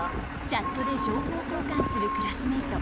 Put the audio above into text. チャットで情報交換するクラスメート。